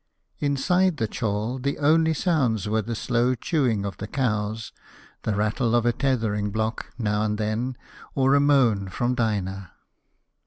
Inside the chall the only sounds were the slow chewing of the cows, the rattle of a tethering block, now and then, or a moan from Dinah.